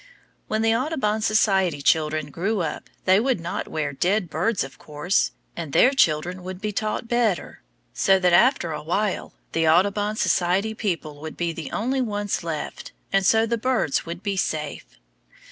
When the Audubon Society children grew up they would not wear dead birds, of course, and their children would be taught better, so that after a while the Audubon Society people would be the only ones left, and so the birds would be safe.